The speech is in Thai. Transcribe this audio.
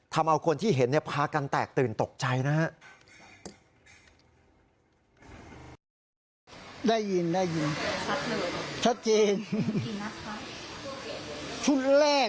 ทำเอาคนที่เห็นพากันแตกตื่นตกใจนะฮะ